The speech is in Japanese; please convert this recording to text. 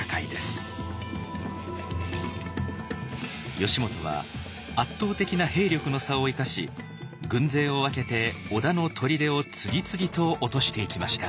義元は圧倒的な兵力の差を生かし軍勢を分けて織田の砦を次々と落としていきました。